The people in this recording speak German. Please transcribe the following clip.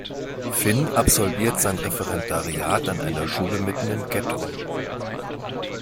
Finn absolviert sein Referendariat an einer Schule mitten im Getto.